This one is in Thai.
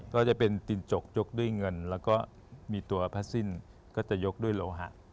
ก็จะเป็นตินจกยกด้วยเงินแล้วก็มีตัวพระสิ้นก็จะยกด้วยโลหะ